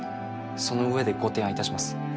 その上でご提案いたします。